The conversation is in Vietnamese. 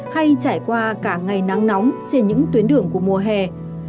hay trải qua cả ngày nắng nóng trên những tuyến đường của mùa hè